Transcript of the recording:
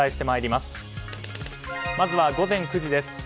まずは午前９時です。